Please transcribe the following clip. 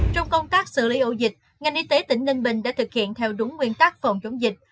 trong công tác xử lý ổ dịch ngành y tế tỉnh ninh bình đã thực hiện theo đúng nguyên tắc phòng chống dịch